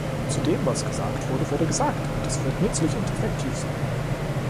Zudem was gesagt wurde, wurde gesagt, und es wird nützlich und effektiv sein.